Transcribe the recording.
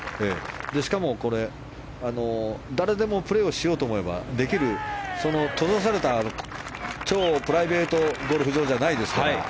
しかも誰でもプレーをしようと思えばできる閉ざされた、超プライベートのゴルフ場じゃないですから。